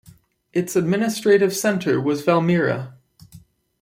Its administrative center was Valmiera.